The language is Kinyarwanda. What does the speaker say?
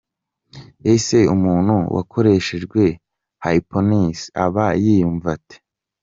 Ese umuntu wakoreshejwe hypnose aba yiyumva ate?.